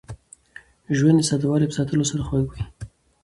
ژوند د ساده والي په ساتلو سره خوږ وي.